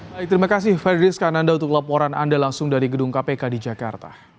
baik terima kasih fedri skananda untuk laporan anda langsung dari gedung kpk di jakarta